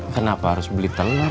kenapa harus beli telur